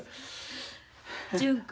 純子。